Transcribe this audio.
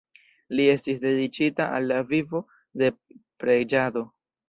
Li estis dediĉita al la vivo de preĝado.